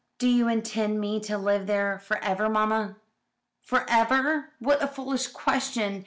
"Do you intend me to live there for ever, mamma?" "For ever! What a foolish question.